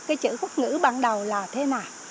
cái chữ quốc ngữ ban đầu là thế nào